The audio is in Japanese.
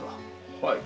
はい。